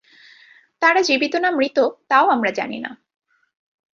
তারা জীবিত না মৃত তাও আমরা জানি না।